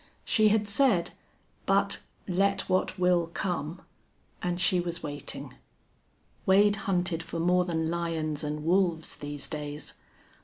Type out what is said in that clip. She had said, "But let what will come!" and she was waiting. Wade hunted for more than lions and wolves these days.